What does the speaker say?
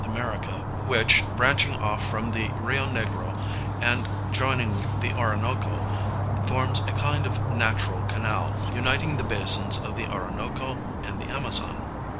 America, which, branching off from the Rio Negro and joining the Orinoco, forms a kind of natural canal, uniting the basins of the Orinoco and the Amazon.